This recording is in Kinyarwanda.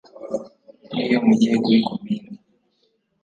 N iyo mugiye kuri Komini